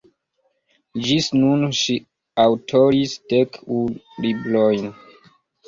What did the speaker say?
Ĝis nun ŝi aŭtoris dek unu librojn.